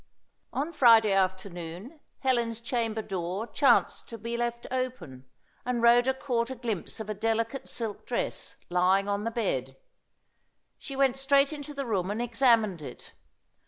On Friday afternoon, Helen's chamber door chanced to be left open, and Rhoda caught a glimpse of a delicate silk dress lying on the bed. She went straight into the room and examined it.